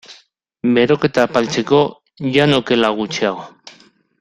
Beroketa apaltzeko, jan okela gutxiago.